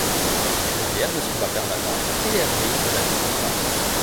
Ces rivières ne sont pas permanentes et elles rythment la vie dans le parc.